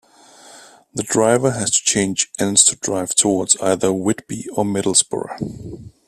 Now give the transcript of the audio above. The driver has to change ends to drive towards either Whitby or Middlesbrough.